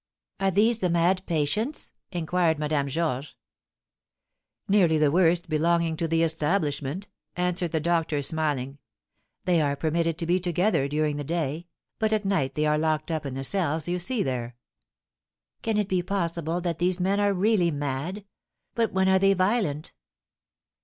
"Are these the mad patients?" inquired Madame Georges. "Nearly the worst belonging to the establishment," answered the doctor, smiling; "they are permitted to be together during the day, but at night they are locked up in the cells you see there." "Can it be possible that these men are really mad! But when are they violent?"